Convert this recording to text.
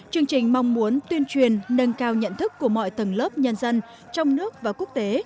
chương trình mong muốn tuyên truyền nâng cao nhận thức của mọi tầng lớp nhân dân trong nước và quốc tế